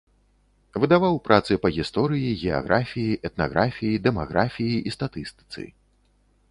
Выдаваў працы па гісторыі, геаграфіі, этнаграфіі, дэмаграфіі і статыстыцы.